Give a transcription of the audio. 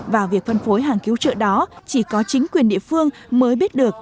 và việc phân phối hàng cứu trợ đó chỉ có chính quyền địa phương mới biết được